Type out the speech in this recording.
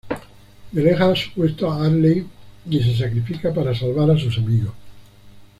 Delega su puesto a Hurley y se sacrifica para salvar a sus amigos.